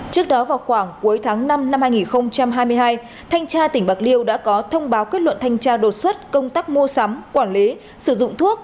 trước đó vào khoảng cuối tháng năm năm hai nghìn hai mươi hai thanh tra tỉnh bạc liêu đã có thông báo kết luận thanh tra đột xuất công tác mua sắm quản lý sử dụng thuốc